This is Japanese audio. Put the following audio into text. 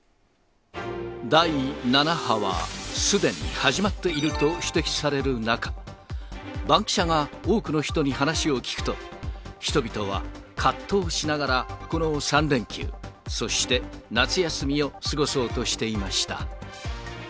第７波は、すでに始まっていると指摘される中、バンキシャが、多くの人に話を聞くと、人々は葛藤しながらこの３連休、そして夏休みを過ごそうとしていました。